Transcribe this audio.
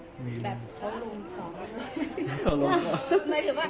ทุติยังปิตพุทธธาเป็นที่พึ่ง